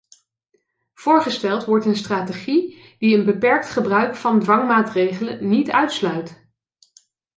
Voorgesteld wordt een strategie die een beperkt gebruik van dwangmaatregelen niet uitsluit.